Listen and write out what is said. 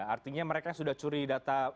artinya mereka sudah curi data